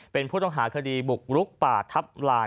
เป็นผู้ต้องหาคดีบวกลุ๊คป่าทัพราน